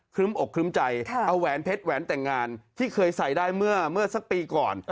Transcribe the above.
ึ้มอกครึ้มใจเอาแหวนเพชรแหวนแต่งงานที่เคยใส่ได้เมื่อสักปีก่อน